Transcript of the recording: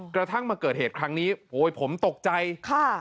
กระทั่งมาเกิดเหตุครั้งนี้โอ้ยผมตกใจค่ะ